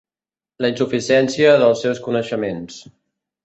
La insuficiència dels seus coneixements.